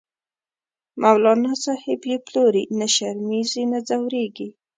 مولانا صاحب یی پلوری، نه شرمیزی نه ځوریږی